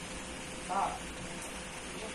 宜都丁公穆崇之孙。